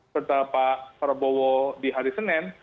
serta pak prabowo di hari senin